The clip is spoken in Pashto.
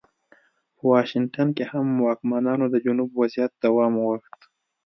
په واشنګټن کې هم واکمنانو د جنوب وضعیت دوام غوښت.